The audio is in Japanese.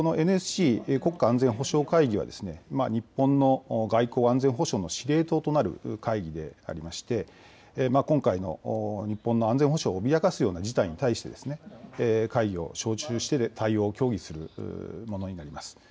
ＮＳＣ・国家安全保障会議は日本の外交安全保障の司令塔となる会議でありまして今回の日本の安全保障を脅かすような事態に対して会議を招集して対応を協議するものになります。